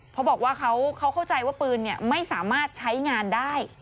เพราะบอกว่าเขาเข้าใจว่าปืนไม่สามารถใช้งานได้